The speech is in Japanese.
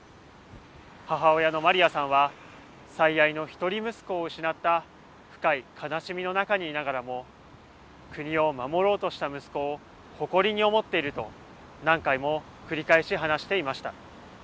母親のマリアさんは最愛の一人息子を失った深い悲しみの中にいながらも国を守ろうとした息子を誇りに思っていると何回も繰り返し話していました。